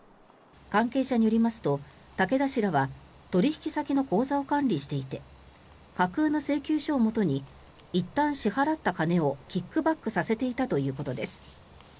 関係者によりますと、竹田氏らは取引先の口座を管理していて架空の請求書をもとにいったん支払った金をキックバックさせていたということです。